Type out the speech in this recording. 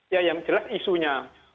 ya yang jelas isunya